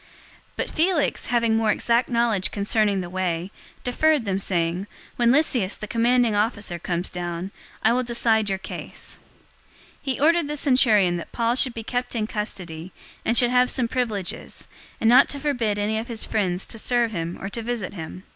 '" 024:022 But Felix, having more exact knowledge concerning the Way, deferred them, saying, "When Lysias, the commanding officer, comes down, I will decide your case." 024:023 He ordered the centurion that Paul should be kept in custody, and should have some privileges, and not to forbid any of his friends to serve him or to visit him.